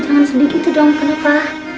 jangan sedikit dong kenapa